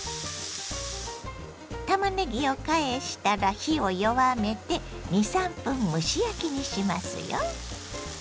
たまねぎを返したら火を弱めて２３分蒸し焼きにしますよ。